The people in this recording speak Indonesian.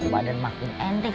badan makin endik